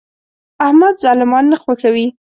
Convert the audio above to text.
احمد ظالمان نه خوښوي.